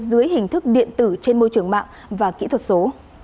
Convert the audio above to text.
dưới hình thức điện tử trên môi trường mạng và kỹ thuật số